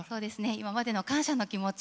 今までの感謝の気持ち